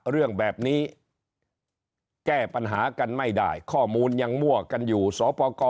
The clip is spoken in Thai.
เรื่องแบบนี้แก้ปัญหากันไม่ได้ข้อมูลยังมั่วกันอยู่สปกร